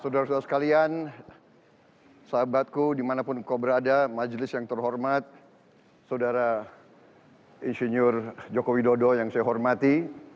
saudara saudara sekalian sahabatku dimanapun kau berada majelis yang terhormat saudara insinyur joko widodo yang saya hormati